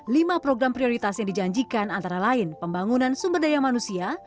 lima program prioritas yang dijanjikan antara lain pembangunan sumber daya manusia